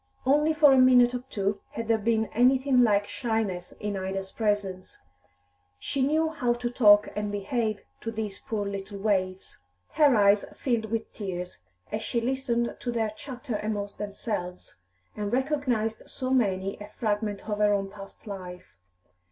Only for a minute or two had there been anything like shyness in Ida's presence; she knew how to talk and behave to these poor little waifs. Her eyes filled with tears as she listened to their chatter among themselves, and recognised so many a fragment of her own past life.